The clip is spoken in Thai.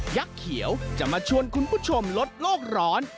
ักษ์เขียวจะมาชวนคุณผู้ชมลดโลกร้อน